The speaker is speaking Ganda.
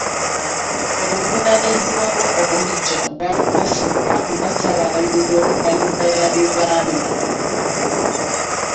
Obuvunaanyizibwa bwe obuggya bwe bwamukwasiddwa nga ssaabalabirizi w'ekkanisa ya Uganda